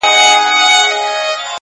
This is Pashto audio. • د هسکو غرونو درې ډکي کړلې,